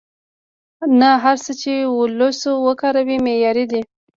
نه هر څه چې وولس وکاروي معیاري دي.